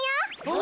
お！